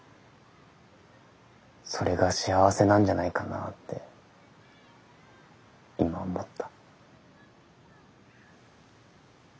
それが幸せなんじゃないかなって今思った。